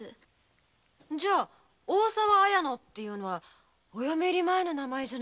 じゃ「大沢綾乃」ってのはお嫁入り前の名前だ。